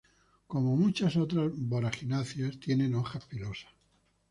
Como muchas otras Boragináceas, tiene hojas pilosas.